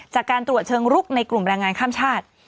จากการตรวจเชิงลุกในกลุ่มแรงงานข้ามชาติ